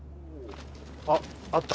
ああった！